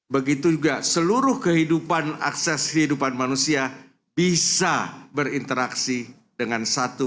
begitu juga seluruh kehidupan akses kehidupan manusia bisa berinteraksi dengan satu